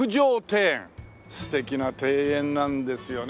素敵な庭園なんですよね。